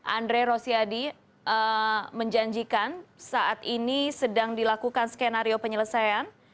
andre rosiadi menjanjikan saat ini sedang dilakukan skenario penyelesaian